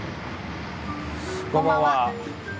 こんばんは。